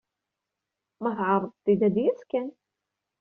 Ma tɛreḍeḍ-t-id, ad d-yas kan.